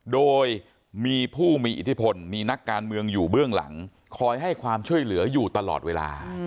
โดยมีผู้มีอิทธิพลมีนักการเมืองอยู่เบื้องหลังคอยให้ความช่วยเหลืออยู่ตลอดเวลา